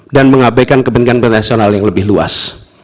dan mengabaikan kebenkan bernasional yang lebih luas